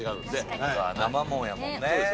そうか生もんやもんね。